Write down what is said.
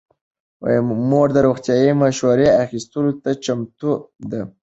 مور د روغتیايي مشورې اخیستلو ته چمتو ده.